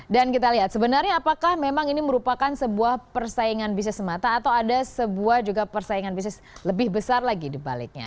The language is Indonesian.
dan kita lihat sebenarnya apakah memang ini merupakan sebuah persaingan bisnis semata atau ada sebuah juga persaingan bisnis lebih besar lagi dibaliknya